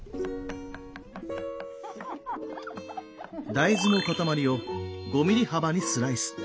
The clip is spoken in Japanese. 大豆の塊を５ｍｍ幅にスライス。